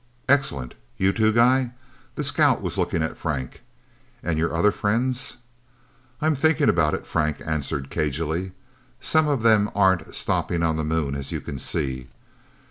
"Excellent... You, too, guy?" The scout was looking at Frank. "And your other friends?" "I'm thinking about it," Frank answered cagily. "Some of them aren't stopping on the Moon, as you can see."